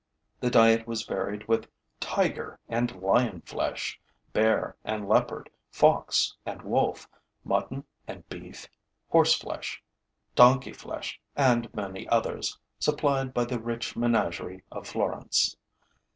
The diet was varied with tiger and lion flesh, bear and leopard, fox and wolf, mutton and beef, horseflesh, donkey flesh and many others, supplied by the rich menagerie of Florence.